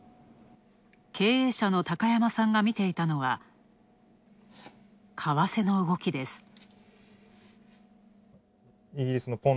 経営者の高山さんが見ていたのは為替の動きです。